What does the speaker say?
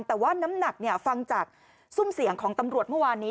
แต่ว่าน้ำหนักฟังจากซุ่มเสียงของตำรวจเมื่อวานนี้